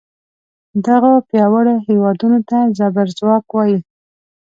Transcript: دغو پیاوړو هیوادونو ته زبر ځواک وایي.